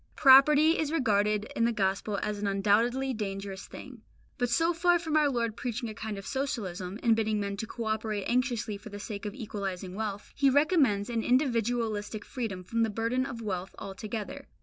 Property is regarded in the Gospel as an undoubtedly dangerous thing; but so far from our Lord preaching a kind of socialism, and bidding men to co operate anxiously for the sake of equalising wealth, He recommends an individualistic freedom from the burden of wealth altogether.